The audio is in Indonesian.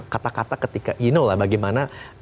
kata kata ketika you know lah bagaimana